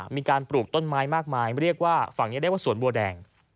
มีการปลูกต้นไม้มากมายฝั่งนี้เรียกว่าสวนบัวแดง